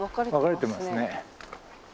分かれてますね。